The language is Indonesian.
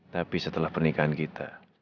tapi setelah pernikahan kita